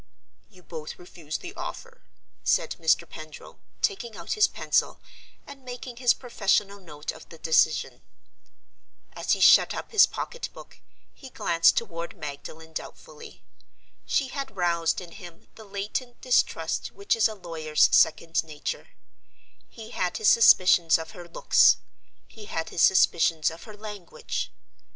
"You both refuse the offer," said Mr. Pendril, taking out his pencil, and making his professional note of the decision. As he shut up his pocketbook, he glanced toward Magdalen doubtfully. She had roused in him the latent distrust which is a lawyer's second nature: he had his suspicions of her looks; he had his suspicions of her language.